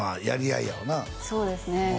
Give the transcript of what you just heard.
やり合いやわなそうですね